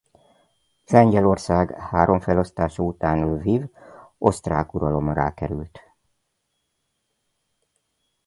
Lengyelország három felosztása után Lviv osztrák uralom alá került.